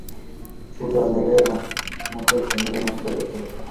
সূর্য আজ মেঘের মধ্যেই উঠিয়াছে, মেঘের মধ্যেই অস্ত গেল।